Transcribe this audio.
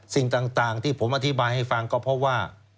สิ่งต่างที่ผมอธิบายให้ฟังก็เพราะว่า